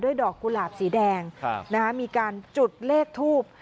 ดอกกุหลาบสีแดงมีการจุดเลขทูบ